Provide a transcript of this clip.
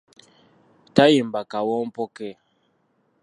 Tayimba kawompo ke .